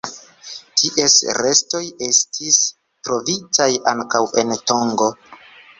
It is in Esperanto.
Ties restoj estis trovitaj ankaŭ en Tongo.